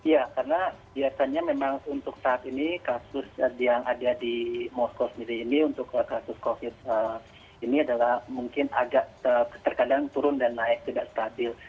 ya karena biasanya memang untuk saat ini kasus yang ada di moskow sendiri ini untuk kasus covid ini adalah mungkin agak terkadang turun dan naik tidak stabil